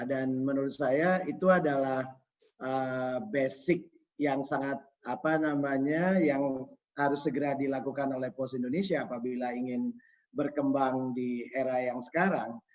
dan menurut saya itu adalah basic yang sangat apa namanya yang harus segera dilakukan oleh pos indonesia apabila ingin berkembang di era yang sekarang